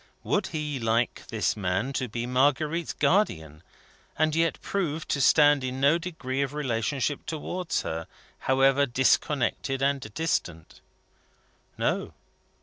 Would he like this man to be Marguerite's Guardian, and yet proved to stand in no degree of relationship towards her, however disconnected and distant? No.